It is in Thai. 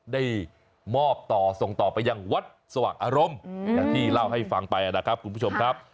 ได้มอบต่อส่งต่อไปยังวัดสว่างอารมณ์อย่างที่เล่าให้ฟังไปนะครับคุณผู้ชมครับ